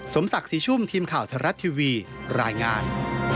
สมศักดิ์ศรีชุ่มทีมข่าวไทยรัฐทีวีรายงาน